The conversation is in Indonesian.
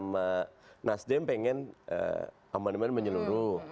sama nasdem pengen aman demand menyeluruh